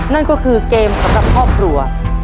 นั่นก็คือเกมสำหรับครอบครัว